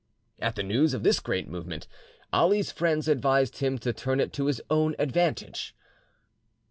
At the news of this great movement, Ali's friends advised him to turn it to his own advantage.